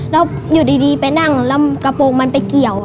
แล้วอยู่ดีไปนั่งแล้วกระโปรงมันไปเกี่ยว